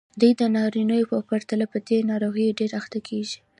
دوی د نارینه وو په پرتله په دې ناروغۍ ډېرې اخته کېږي.